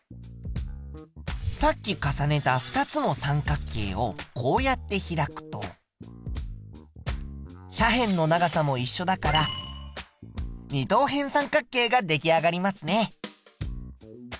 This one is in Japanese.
さっき重ねた２つの三角形をこうやって開くと斜辺の長さもいっしょだから二等辺三角形が出来上がりますね。